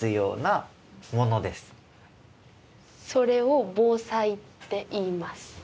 それを防災って言います。